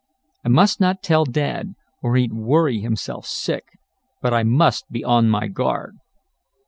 I must not tell Dad, or he'd worry himself sick. But I must be on my guard."